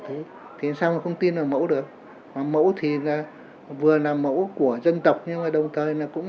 người thì sao mà không tin vào mẫu được mẫu thì vừa là mẫu của dân tộc nhưng mà đồng thời là cũng